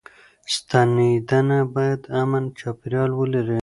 ستنېدنه بايد امن چاپيريال ولري.